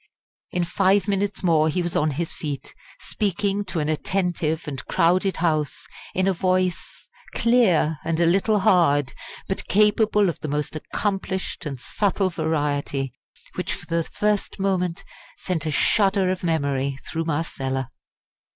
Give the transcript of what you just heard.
In five minutes more he was on his feet, speaking to an attentive and crowded House in a voice clear, a little hard, but capable of the most accomplished and subtle variety which for the first moment sent a shudder of memory through Marcella.